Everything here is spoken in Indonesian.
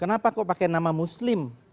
kenapa kok pakai nama muslim